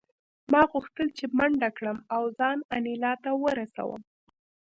ما غوښتل چې منډه کړم او ځان انیلا ته ورسوم